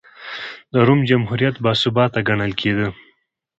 د روم جمهوریت باثباته ګڼل کېده.